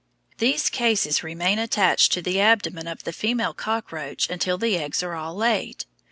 These cases remain attached to the abdomen of the female cockroach until the eggs are all laid.